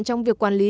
trong việc quản lý